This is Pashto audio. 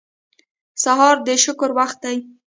سهار د شکر وخت دی.